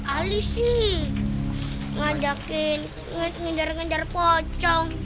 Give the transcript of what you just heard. ali sih ngajakin ngejar ngejar pocong